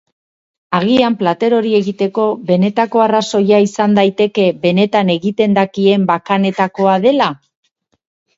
Agian plater hori egiteko benetako arrazoia izan daiteke benetan egiten dakien bakanetakoa dela?